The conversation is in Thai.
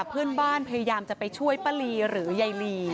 เพื่อนบ้านพยายามจะไปช่วยป้าลีหรือยายลี